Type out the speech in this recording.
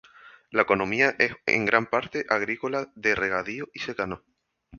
La economía es en gran parte agrícola de regadío y secano.